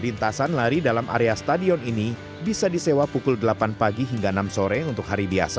lintasan lari dalam area stadion ini bisa disewa pukul delapan pagi hingga enam sore untuk hari biasa